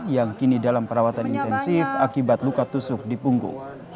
yang kini dalam perawatan intensif akibat luka tusuk di punggung